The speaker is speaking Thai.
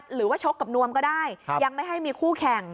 ชกกับนวมก็ได้ยังไม่ให้มีคู่แข่ง